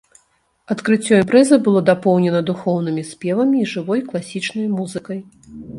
Адкрыццё імпрэзы было дапоўнена духоўнымі спевамі і жывой класічнай музыкай.